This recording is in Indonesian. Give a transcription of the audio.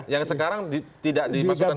yang sekarang tidak dimasukkan ke situ